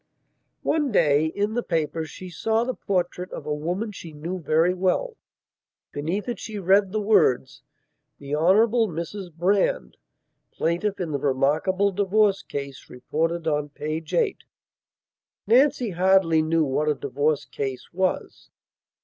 One day, in the papers, she saw the portrait of a woman she knew very well. Beneath it she read the words: "The Hon. Mrs Brand, plaintiff in the remarkable divorce case reported on p. 8." Nancy hardly knew what a divorce case was.